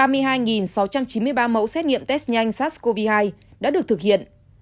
ba mươi hai sáu trăm chín mươi ba mẫu xét nghiệm test nhanh sars cov hai đã được thực hiện